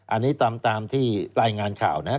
อันนี้ตามที่รายงานข่าวนะครับ